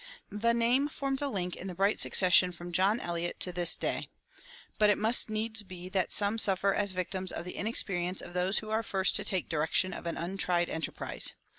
The name forms a link in the bright succession from John Eliot to this day. But it must needs be that some suffer as victims of the inexperience of those who are first to take direction of an untried enterprise.